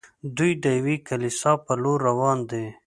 دوی د یوې کلیسا پر لور روان دي.